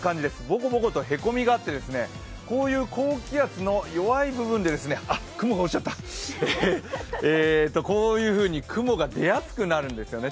ぼこぼことへこみがあって、こういう高気圧の弱い部分でこういうふうに雲が出やすくなるんですよね。